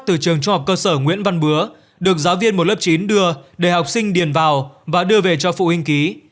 từ trường trung học cơ sở nguyễn văn bứa được giáo viên một lớp chín đưa để học sinh điền vào và đưa về cho phụ huynh ký